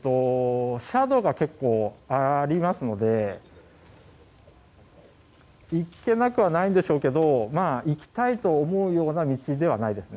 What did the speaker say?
斜度が結構ありますので行けなくはないんでしょうけど行きたいと思うような道はないです。